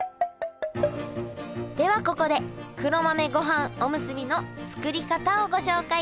ではここで黒豆ごはんおむすびの作り方をご紹介。